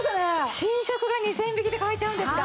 新色が２０００円引きで買えちゃうんですか！